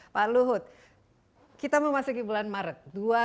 pak luhut kita mau masuk ke bulan maret dua ribu dua puluh satu